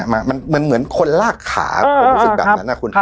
มันเหมือนคนลากขาผมรู้สึกแบบนั้นนะคุณ